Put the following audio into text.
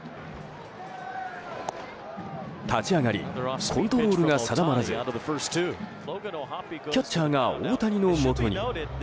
立ち上がりコントロールが定まらずキャッチャーが大谷のもとに。